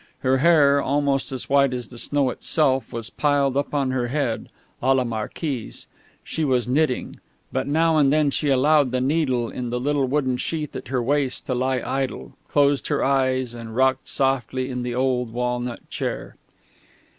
Her hair, almost as white as the snow itself, was piled up on her head à la Marquise; she was knitting; but now and then she allowed the needle in the little wooden sheath at her waist to lie idle, closed her eyes, and rocked softly in the old walnut chair.